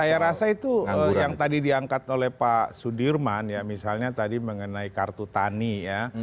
saya rasa itu yang tadi diangkat oleh pak sudirman ya misalnya tadi mengenai kartu tani ya